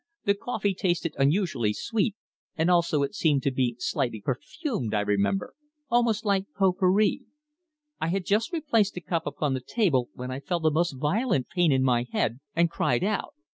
The coffee tasted unusually sweet, and also it seemed to be slightly perfumed, I remember, almost like pot pourri. I had just replaced the cup upon the table when I felt a most violent pain in my head, and cried out.